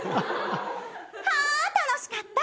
はぁ楽しかった。